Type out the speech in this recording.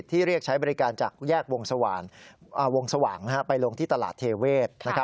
เรียกใช้บริการจากแยกวงสว่างไปลงที่ตลาดเทเวศ